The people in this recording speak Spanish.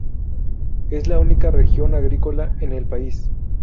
Es la única región agrícola en el país.